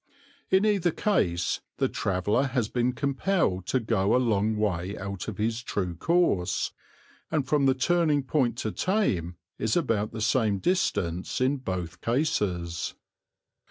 In either case the traveller has been compelled to go a long way out of his true course, and from the turning point to Thame is about the same distance in both cases.